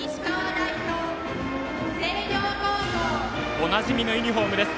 おなじみのユニフォームです。